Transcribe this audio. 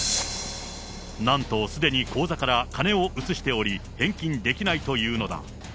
なんと、すでに口座から金を移しており、返金できないというのだ。